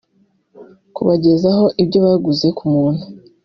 kubagezaho ibyo baguze ku buntu